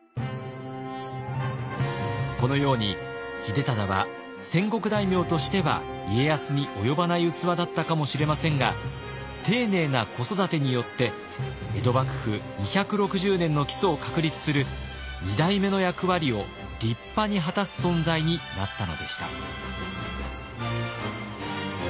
このように秀忠は戦国大名としては家康に及ばない器だったかもしれませんが丁寧な子育てによって江戸幕府２６０年の基礎を確立する二代目の役割を立派に果たす存在になったのでした。